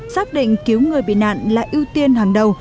xác định cứu người bị nạn là ưu tiên hàng đầu